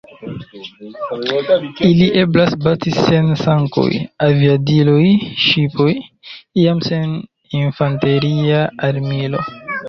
Ili eblas bati sen tankoj, aviadiloj, ŝipoj, iam sen infanteria armilo.